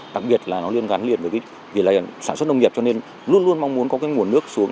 đặc biệt là nó luôn gắn liền với sản xuất nông nghiệp cho nên luôn luôn mong muốn có nguồn nước xuống